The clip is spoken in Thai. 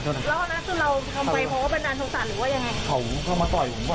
ที่เราเตะเราทะระพร้ายตายแต่ขวา